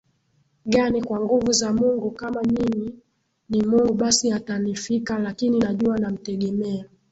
gani kwa nguvu za Mungu Kama nyinyi ni Mungu basi yatanifika Lakini najua namtegemea